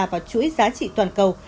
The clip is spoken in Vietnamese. vào chuỗi giá trị toàn cầu